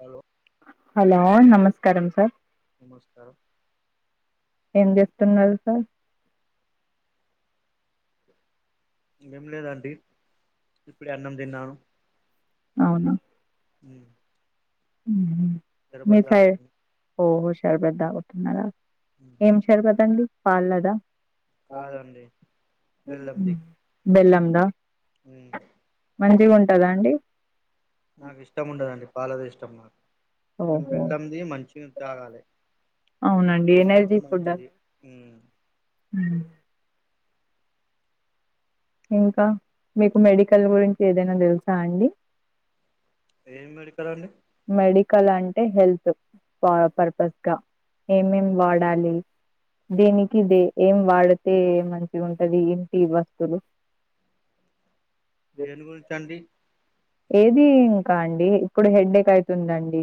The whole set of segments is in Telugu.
హలో హలో నమస్కారం సార్ నమస్కారం ఏం చేస్తున్నారు సార్ ఏం లేదండి ఇప్పుడే అన్నం తిన్నాను అవునా మ్ మ్ హు మీర్ స ఓహో శర్బత్ తగుతున్నర ఉమ్ ఏం షర్బత్ అండి పాల్లదా? కాదండి బెల్లంది బెల్లం ద ఉమ్ మంచిగా ఉంటదా అండి నాకు ఇష్టం ఉండదండి పాలది ఇష్టం నాకు కానీ ఓహో బెళ్ళంది మంచిగా తాగాలి అవునండి హెల్త్ కు ఎనర్జీ మంచిది ఉమ్ ఉమ్ ఇంకా మీకు మెడికల్ గురించి ఏదైనా తెలుసా అండి? ఏమి మెడికల అండి క్కల అంటే హెల్త్ ప పర్పస్ గా ఏమేం వాడాలి దీనికి దే ఏం వాడితే మంచిగా ఉంటది, ఏంటి వస్తువులు? దేని గురించి అండి ఏది ఇంకా అండి ఇప్పుడు హెడేక్ అయితుందండి.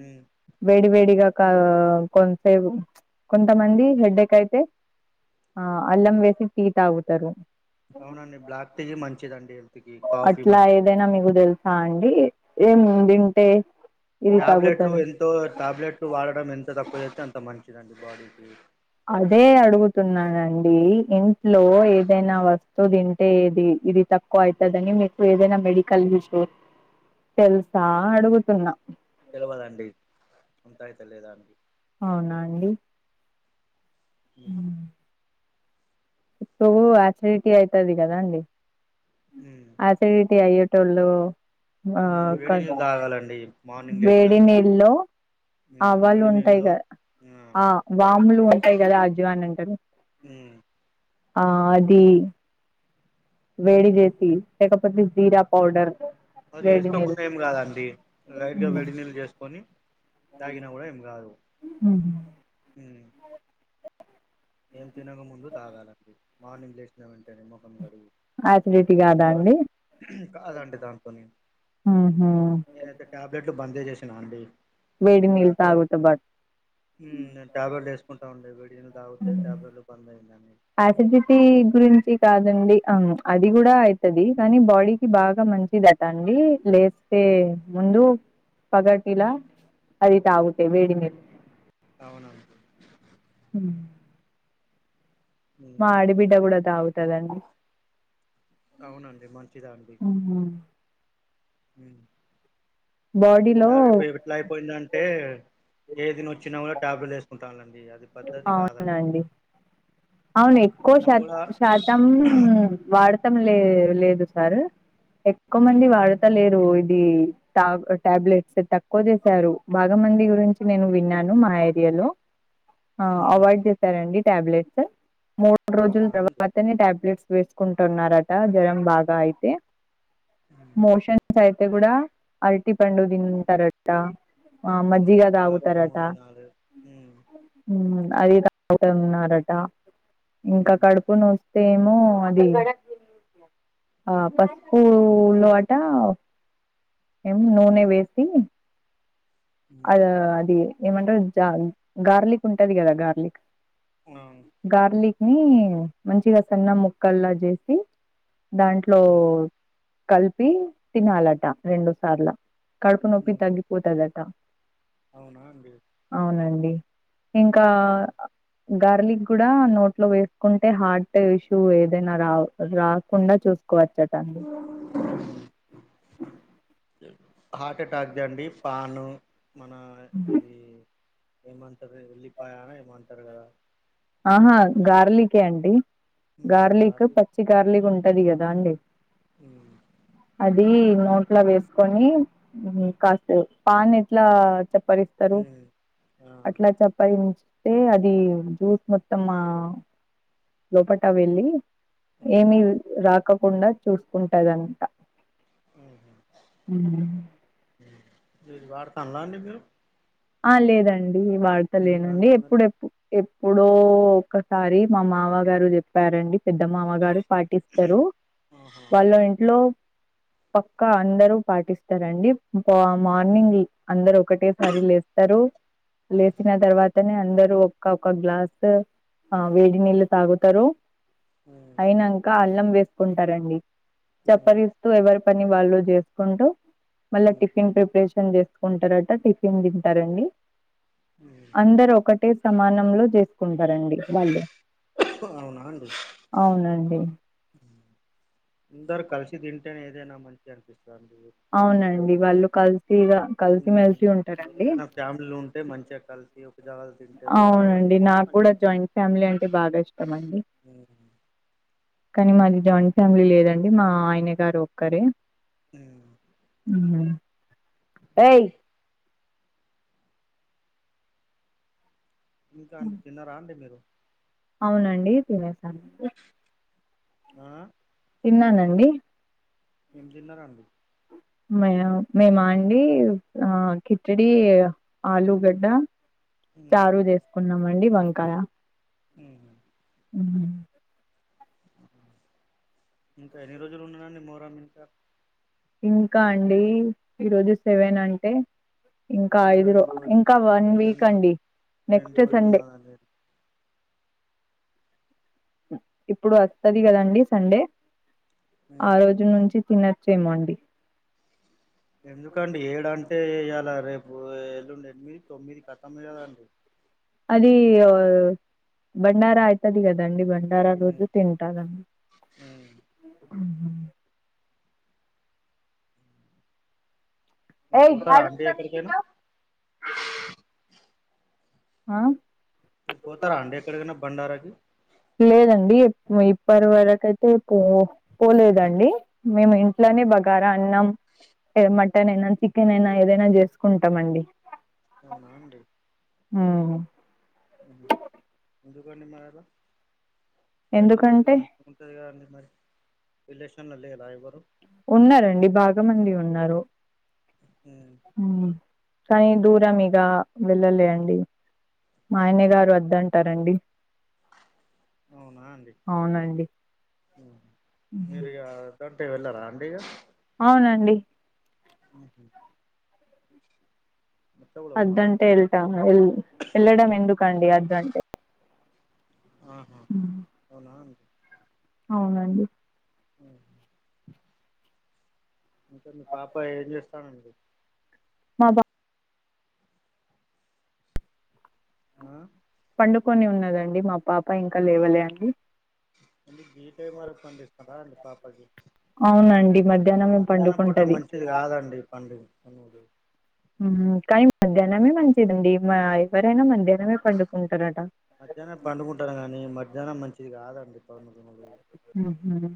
ఉమ్ వేడివేడిగా కా కొంతసేపు కొంతమంది హెడేక్ అయితే ఆ అల్లం వేసి టీ తాగుతారు. అవునండి బ్లాక్ టీ మంచిదండి ఎంతకి కాఫీ అట్లా మంచిది. ఏదైనా మీకు తెలుసా అండి ఏం తింటే? ఇది టాబ్లెట్లు తగ్గుతది ఎంతో టాబ్లెట్లు వాడడం ఎంత తక్కువ చేస్తే అంత మంచి ఇలాంటి బాడీ పేట్ అదే అడుగుతున్నానండి ఇంట్లో ఏదైనా వస్తువు తింటే ఏది ఇది తక్కువ అయితదా నిం ఎప్పుటు ఏదైనా మెడికల్ హి స్టోర్ తెలుసా అడుగుతున్నా ఉంతా అయితలేదా అవునా అండి హ సో ఆచరిటీ అయితది కదాండి ఉమ్ ఆచరిటీ అయ్యట్ ట్టలు వేడి నీళ్లు తాగాలండి మార్నింగ్ లేసినంక ఆవాళు ఉంటాయి కదా, ఉమ్, ఆ వాములు ఉంటాయి కదా అజ్వాని అంటారు. ఉ ఆ అది వేడిజేసీ లేకపోతే జీరా పౌడర్ అది వేడి నీళ్ళు చేసుకోకుండా ఏం కాదండి లైట్గా వేడి నీళ్ళు చేసుకొని తాగిన కూడా ఏం కాదు ఉహ హ ఏం తినక ముందు తాగాలండి. మార్నింగ్ లేసిన వెంటనే ముఖం గడిగి ఎసిడిటీ కాదా అండి కాదండి దానితోని ఉహు నేనైతే టాబ్లెట్లు బంద్ చేసా అండి వేడి నీళ్ళు డాక్టర్ తాగుతే బట్ టాబ్లెట్ ఉమ్ నేను వేసుకుంటాండి వేడినీళ్లు తాగితే పర్లేదాన్నే ఆసిడిటీ గురించి కాదండి అవును అది కూడా అయితది కానీ బాడీకి బాగా మంచిదట అండి లేస్తే ముందు పగటిలా అది తాగుతే వేడి మీరు అవునవునండి ఉమ్. ఉమ్, మా ఆడబిడ్డ కూడా తాగుతదండి. అవునండి మంచిదండి. ఉమ్. బాడీలో ఈయాల రేపు ఎట్లా అయిపోయిందంటే ఏదినోచ్చినా కూడా టాబ్లెట్ వేసుకుంటు. అండి అది పద్దతి కాదాండి. అవునండి అవును ఎక్కువ శాత శాతం వాడు. లేదు లేదు సార్ ఎక్కువ మంది మ్మ్ వాడతాలేరు. ఉమ్ ట టాబ్లెట్స్ తక్కువ చేసారు బాగా మంది గురించి నేను విన్నాను మా ఏరియాలో. ఆహ్ ఆహ్ మ్మ్ అవాయిడ్ చేసారండి టాబ్లెట్స్ మూడు రోజుల అవునా అండి తర్వాతనే టాబ్లెట్స్ వేసుకుం. టున్నారట జ్వరం బాగా అయితే మ్మ్ మోషన్స్ అయితే కూడా. అరటి పండు తింటారంట. ఆహ్ మ్మ్ గులాబ్ మజ్జిగదగుతారట జామున్ తినాలి మ్మ్ ఉమ్ అది. ఇక్కడ ఉన్నారట. ఇంకా మ్మ్ కడుపునోస్తేనేమో అది. ఆహ్ పసుపు మ్మ్ లో ఆట. ఏం నూనె వేసి. మ్మ్ అది అది ఏమంటారు జ గార్లిక్ ఉంటది కదా గార్లిక్. ఆ గార్లిక్ ని మంచిగా సన్న ముక్కల్లా చేసి. దాంట్లో మ్మ్ కలిపి తినాలట రెండు సార్లు. కడుపు నొప్పి మ్మ్ తగ్గిపోతదాట. అవునా అండి అవునండి. ఇంకా ఆహ్. గార్లిక్ కూడా నోట్లో వేసుకుంటే హార్ట్ ఇష్యూ ఏదైనా రా రాకుండా చూసు. కు వచ్చాటా. హార్ట్ అటాక్ అండి పాన్ మన. ఉమ్. ఇది ఏమంటారు ఎళ్లిపాయాన ఏమంటారు కదా. ఆహా గార్లికే అండి మ్మ్ గార్లిక్ వాటి పచ్చి గార్లిక్ ఉంటది కదా. దాండి మ్మ్ అది నోట్ల వేస్. కాని కాస్త పాన్ ఎట్లా చెప్. చప్పరిస్తారు మ్మ్ ఆ అట్లా చప్పరించితే అది జ్యూస్. మొత్తం ఆహ్ లోపట వెళ్ళి మ్మ్ ఏమి రా. రాకుండా చూసుకుంటదంట ఉమ్. మీరు వాడుతుండ్రా అండి మీరు. ఆహ్ లేదండి వాడత లేనండి ఎందుకండి మరి ఎప్పుడెప్పుడు ఎప్. ఎప్పుడో ఒక్కసారి మా మామ గారు చెప్పారండి పెద్ద మామగారు పాటిస్తారు ఆహా వాళ్ళ ఇంట్లో. పక్క అందరు పాటిస్తారండి మా మార్నింగ్ అందరు ఒకటేసారి లేస్. వస్తారు ఆహా లేచిన తర్వాతనే. అందరు ఒక్కోక్క గ్లాస్ ఆహ్ వేడి నీళ్ళు తాగుతారు. ఉమ్ అయినాక అన్నం చేసుకుంటారండి ఉమ్ చప్పరిస్తూ ఎవరు. పని వాళ్ళు చేసుకుంటూ మళ్ళా ఉమ్ టిఫిన్ ప్రిపరేషన్ చేసుకుంటారట టిఫిన్. చేస్తారండి ఉమ్ అందరు ఒకటే సమానంలో చేస్. కుంటారండి వాళ్ళు అవునా అండి అవునండి అందరు కలిసి తింటేనే ఇదేనా మంచిగా అనిపిస్తది ఒక్కళు తింటే అవునండి. ఒళ వాళ్ళు కలిసిగా కలిసిమెలిసి ఉంటారండి. ఏదైనా ఫ్యామిలీలో ఉంటే మంచ్ చిగ కలిసి జాగాల తింటే ఒక జాగాల అవునండి వండుకుంటే నాకు కూడా మంచిగా ఉంటది జాయింట్ ఫ్యామిలీ అంటే బాగా ఇష్టం అండి ఉమ్ కానీ మాది జాయింట్ ఫ్యామిలీ లేదండి మా ఆయన గారు ఒక్కరే ఉమ్ మ్ ఇంకా అండి తిన్నారా అండి మీరు అవునండి తినేసాను ఆ తిన్నానండి ఏం తిన్నరండి మ మే మాండి ఆ కిచడి ఆలుగడ్డ ఉమ్ చారు చేసుకున్నామండి వంకాయ హ్మ్ మ్ ఇంకా ఎన్ని రోజులు ఉన్నానండి మోహరం ఇంకా ఇంకా అండి ఈరోజు సెవెన్ అంటే ఇంకా ఐదు రో రెండు రోజులు ఇంకా వన్ వీక్ రెండు అండి రెండు నెక్స్ట్ రోజులు సండే ఉన్నదండి ఇప్పుడు వస్తది కదండి సండే ఆ ఉమ్ రోజు నుంచి తినచ్చేమొఅండి ఎందుకండి ఏ ఎలా అంటే ఇయాల రేపు ఏలుండి ఎనిమిది తొమ్మిది కతమే కదండి అది ఆ బండార ఆయితది కదండి బ డారా రోజు తింటాద మీరు ఏయి పోతారా అండి అడుతరెంటి ఎక్కడికైనా ఇప్పుడు ఆ మీరు పోతారా అండి ఎక్కడికైనా బండారాకి లేదండి ఇప్పటు వరకు అయితే పో పోలేదండి మేము ఇంట్ల నే బగారా అన్నం మటన్ అయినా చికెన్ అయినా ఏదైనా చేసుకుంటామండి అవునా అండి మ్ అహ ఎందుకండి మరల బయటకి పోతే ఎందుకంటే మంచిగా ఉంటది కదండీ మరి రిలేషన్ లో లేరా ఎవ్వరు ఉన్నారండి బాగా మంది ఉన్నారు మ్ ఉమ్ కానీ దూరం ఇగ వెళ్ళలే అండి మా ఆయన్న గారు వద్దంటారండి అవునా అండి అవునండి మీరిగ అే వెళ్ళరా అండి ఇగ అవునండి హహ ఉన్నారా అద్ధంటే వెళ్తాము వెల్ వెళ్ళడం ఎందుకండి అద్ధంటే ఆహా అవునా అవునండి ఉహు. ఇంకా మీ పాప ఏం చేస్తదండి మా బా ఆ పండుకొనే ఉన్నదండి మా పాప ఇంకా లేవలే అండి. మళ్ళీ గీ టైమ్ వరకు పండిస్తారా అండి పాపకి అవునండి మధ్యాహ్నమే మధ్యాహ్నం పండుకుంటది. పనోడు మ్ కని మధ్యాహ్నమే మంచిదండి మా ఎవరైన మధ్యా మధ్యాహ్నం పండుకుంటరు గనీ మధ్యాహ్నం మంచిది కాదండి. పనులు అవునా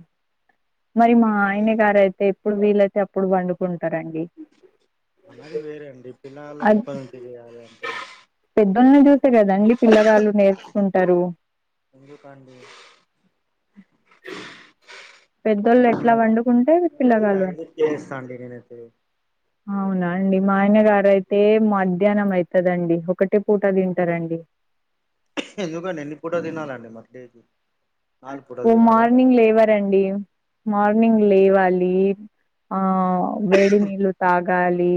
మరి మా ఆయన గారైతే ఎప్పుడు వీలైతే అప్పుడు వండుకుంటరండి. మనది వేరే అండి పిల్లగాన్లకి ఇప్పట్ నుంచి చేయాలి అంటే తే కదండి పిల్లగాళ్ళు నేర్చుకుంటరు. ఎందుకండి పెద్దోళ్ళు నేను ఎట్లా పండుకుంటే నేనైతే పిల్లగాళ్ళు ఐదింటికి లేస్తా అండి నేనైతే అవునా అండి మా ఆయనగారైతే ఐదింటికి మధ్యాహ్నం అయితదండి. ఒకటే పూట తింటారండి ఎందుకండి ఎన్ని పూట తినాలండి మరి నాలుగు పూటలు ఓ తినాలా మార్నింగ్ లేవరండి ఉమ్, మార్నింగ్ లేవాల్ లి ఆ వేడి నీళ్ళు తాగాలి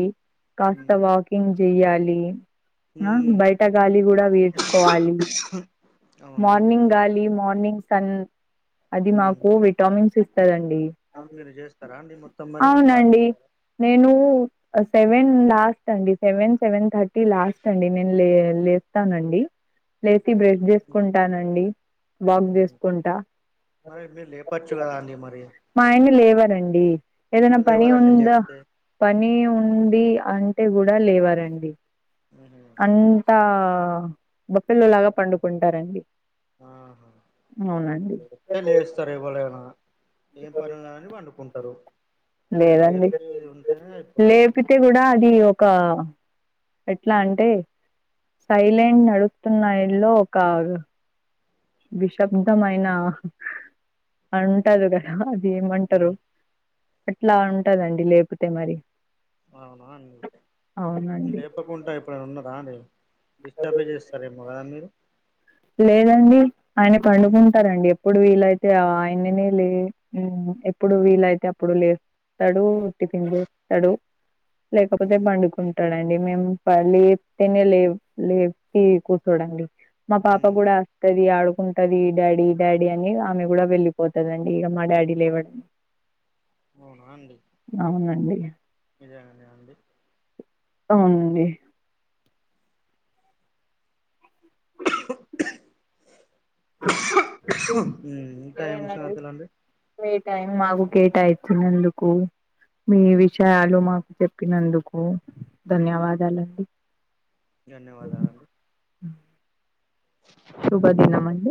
కాస్త ఉమ్, వాకింగ్ చేయాలి. ఆ ఉమ్, బైట గాలి గుడా పీర్చుకోవాలి అవునా అండి మార్నింగ్ గాలి మార్ ర్నింగ్ సన్ అది మాకు విటామిన్స్ ఇస్తదం అవున్ మీరు చేస్తరా అండి మొత్తం మరి మీరు పాటిస్తారా? అ సెవెన్ లాస్ట్ అండి సెవెన్ సెవెన్ థర్టీ లాస్ట్ అండి నేన్ లే లేస్తానండి. లేచి బ్రష్ చేస్కుంటానండి వాక్ చేస్ ఉహు. కుంటా మరి మీరు లేపచ్చు కదా అండి మరి మా ఆయన లేవరండి. ఏదన్న ఎందుకు పని లేవరండి ఉంద లేపితే పని ఉంది అంటే కూడా లేవరండి. ఉహు. అంతా బఫెల్లోలాగా పండుకుంటారండి. ఆహా అవునండి [unintelligible] లేస్తర్ ఎవ్వలైన ఏం పనున్నదని పండుకుంటరు. లేదండి అయిపోతది లేపితే గుడా అది ఒకా ఎట్లా అంటే సైలెంట్ నడుత్తున్నా ఇల్లో ఒకా విశబ్దమైనా అంటరు కదా ది ఏమంటరు ఉమ్, అట్లా ఉంటదండి లేపితే మరి అవునా అందుకే అవునండి లేపకుంట ఎప్పుడైన ఉన్నరా అండి డిస్టబే చేస్తారేమో కదా మీరు లేదండి ఆయన ఉమ్, పండుకుంటరండి ఎప్ ప్పుడు వీలైతే ఆయననే లే మ్ ఎప్పుడు వీలైతే అప్పుడు లేస్ తడు టిఫిన్ జేస్తడు లేకపోతే ఉమ్, పండుకుంటడ డండి మేం ప లేప్తెనే లే లేపి కూర్చోడండి మా పాప ఉమ్, గుడా అస్తది ఆడు కుంటది డాడీ, డాడీ అని ఆమె గుడా వెళ్ళిపోతదండి ఇగ మా డాడీ లెవ్వడ అవునా అండి నిజంగానే అండి. అవునండి. మ్ ఇంకా ఏం సరేనండి. సంగతులండి. మీ టైం మాకు కేటాయిచ్చినందుకు మీ విషయాలు మాకు చెప్పినందుకు ధన్యవాదాలండి ధన్యవాదాలండి శుభదినమండి